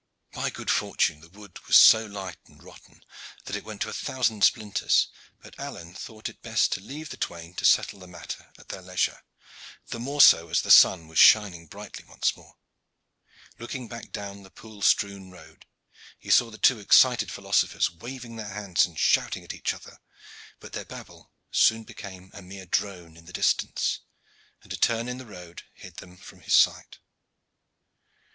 By good fortune, the wood was so light and rotten that it went to a thousand splinters, but Alleyne thought it best to leave the twain to settle the matter at their leisure, the more so as the sun was shining brightly once more. Looking back down the pool strewn road, he saw the two excited philosophers waving their hands and shouting at each other, but their babble soon became a mere drone in the distance, and a turn in the road hid them from his sight.